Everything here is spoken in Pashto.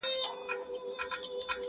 په دربار كي جنرالانو بيعت وركړ٫